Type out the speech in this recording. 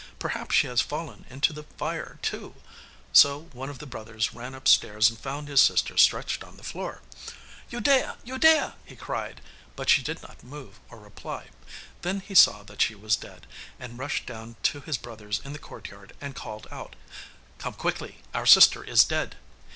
'Perhaps she has fallen into the fire, too.' So one of the others ran upstairs and found his sister stretched on the floor. 'Udea! Udea!' he cried, but she did not move or reply. Then he saw that she was dead, and rushed down to his brothers in the courtyard and called out, 'Come quickly, our sister is dead!